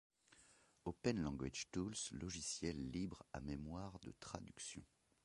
Open Language Tools Logiciel libre à mémoire de traduction.